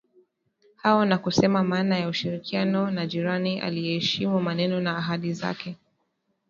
hao na kusema maana ya ushirikiano na jirani aiyeheshimu maneno na ahadi zake